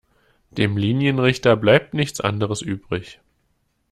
Dem Linienrichter bleibt nichts anderes übrig.